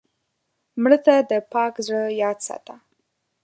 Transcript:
مړه ته د پاک زړه یاد ساته